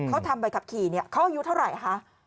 เขาทำใบขับขี่เขาอยู่เท่าไหร่คะ